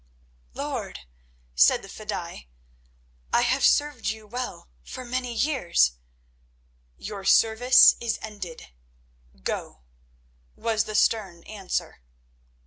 "Lord," said the fedaï, "I have served you well for many years." "Your service is ended. Go!" was the stern answer.